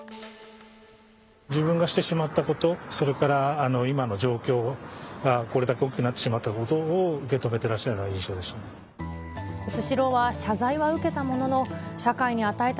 自分がしてしまったこと、それから今の状況がこれだけ大きくなってしまったことを受け止めていらっしゃるような印象でした。